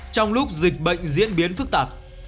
trong lúc dịch bệnh diễn biến phức tạp